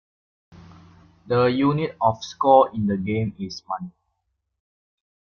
The unit of score in the game is "money".